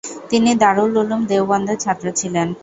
তিনি দারুল উলুম দেওবন্দের ছাত্র ছিলেন।